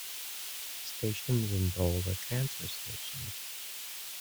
Stations in bold are transfer stations.